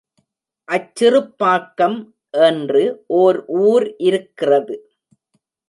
அச்சிறுப்பாக்கம் என்று ஒர் ஊர் இருக்கிறது.